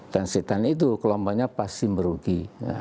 dan setan itu kelompoknya pasti merugi